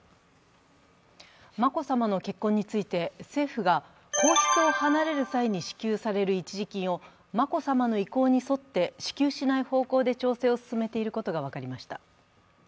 眞子さまの結婚について政府が皇室を離れる際に支給される一時金を眞子さまの意向に沿って支給しない方向で調整を進めていることが分かりました。